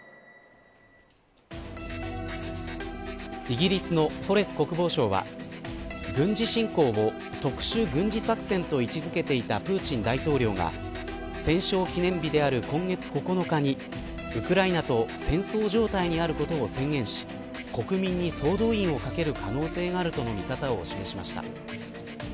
イギリスのウォレス国防相は軍事侵攻を特殊軍事作戦と位置づけていたプーチン大統領が戦勝記念日である今月９日にウクライナと戦争状態にあることを宣言し国民に総動員をかける可能性があるとの見方を示しました。